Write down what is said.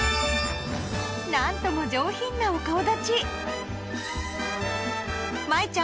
なんとも上品なお顔だちまいちゃん